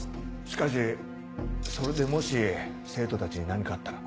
しかしそれでもし生徒たちに何かあったら。